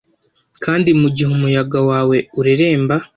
Kandi mugihe umuyaga wawe ureremba